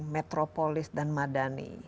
metropolis dan madani